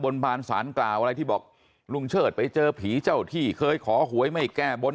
บานสารกล่าวอะไรที่บอกลุงเชิดไปเจอผีเจ้าที่เคยขอหวยไม่แก้บน